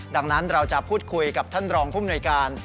ดังนั้นเราจะพูดคุยกับท่านรองผู้มนวยการ